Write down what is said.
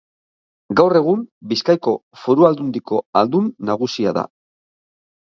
Gaur egun, Bizkaiko Foru Aldundiko ahaldun nagusia da.